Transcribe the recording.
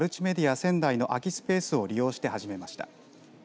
仙台の空きスペースを利用して始めました。